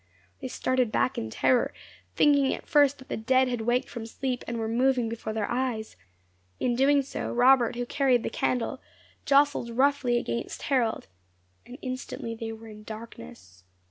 They started back in terror, thinking at first that the dead had waked from sleep, and were moving before their eyes; in doing so, Robert, who carried the candle, jostled roughly against Harold, and instantly they were in darkness.